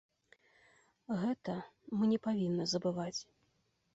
Гэта мы не павінны забываць.